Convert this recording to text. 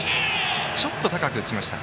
ちょっと高く浮きました。